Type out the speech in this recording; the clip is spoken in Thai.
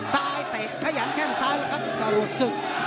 ซ้ายเตะขยันแค่งซ้ายนะครับจะหลวดศึก